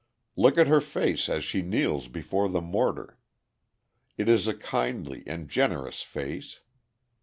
Look at her face as she kneels before the mortar. It is a kindly and generous face.